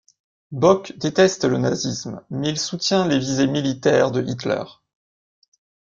Bock déteste le nazisme mais il soutient les visées militaires de Hitler.